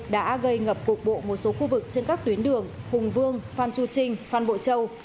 đã gây ngập cuộc bộ một số khu vực trên các tuyến đường hùng vương phan chu trinh phan bộ châu